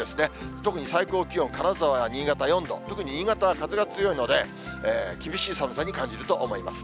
特に最高気温、金沢や新潟４度、特に新潟は風が強いので、厳しい寒さに感じると思います。